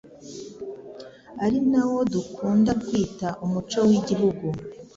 ari nawo dukunda kwita umuco w'igihugu.